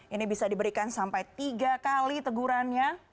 ini bisa diberikan sampai tiga kali tegurannya